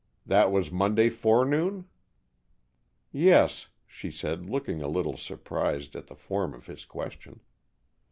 That was Monday forenoon?" "Yes," she said, looking a little surprised at the form of his question.